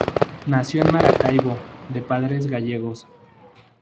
Nació en Maracaibo, de padres gallegos.